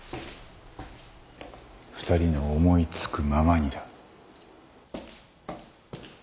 二人の思い付くままにだ。